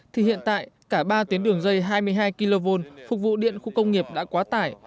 thì hiện tại cả ba tuyến đường dây hai mươi hai kv phục vụ điện khu công nghiệp đã quá tải